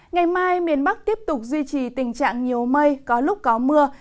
ngày mai miền bắc tiếp tục duy trì tình trạng nhiều mây có lúc có mưa